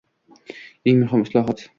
Eng muhim islohot